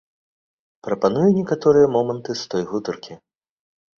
Прапаную некаторыя моманты з той гутаркі.